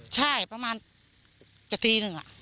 ใช่ประมาณกระตีหนึ่งอ่ะ